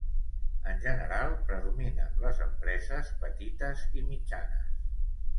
En general, predominen les empreses petites i mitjanes.